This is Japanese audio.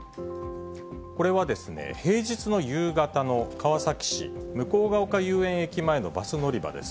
これは平日の夕方の川崎市向ヶ丘遊園駅前のバス乗り場です。